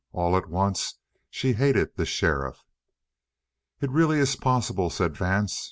All at once she hated the sheriff. "It really is possible," said Vance.